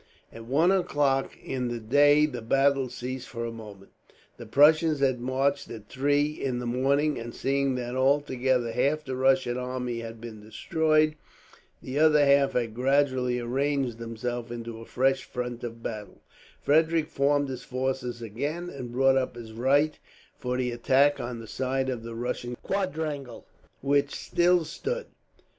At one o'clock in the day the battle ceased for a moment. The Prussians had marched at three in the morning and, seeing that although half the Russian army had been destroyed, the other half had gradually arranged itself into a fresh front of battle, Frederick formed his forces again, and brought up his right wing for the attack on the side of the Russian quadrilateral which still stood.